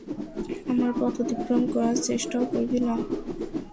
আমার পথ অতিক্রম করার চেষ্টাও করবি না।